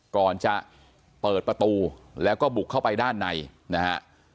ก่อนจะเปิดประตูแล้วก็บุกเข้าไปด้านในนะฮะ